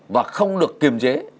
và không được kiềm chế